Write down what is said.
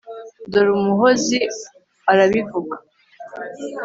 dore umuhozi arabivuga